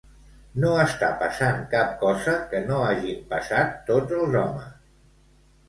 No estàs passant cap cosa que no hagin passat tots els homes.